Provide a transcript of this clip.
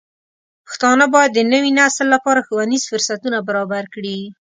پښتانه بايد د نوي نسل لپاره ښوونیز فرصتونه برابر کړي.